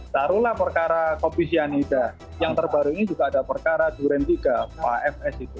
taruhlah perkara kopisianida yang terbaru ini juga ada perkara durentiga pfs itu